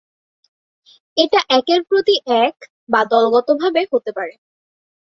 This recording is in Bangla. এটা একের প্রতি এক বা দলগতভাবে হতে পারে।